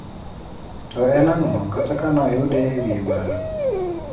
To en ang'o kata kane oyude e wiye malo?